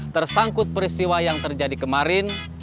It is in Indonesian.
tersangkut peristiwa yang terjadi kemarin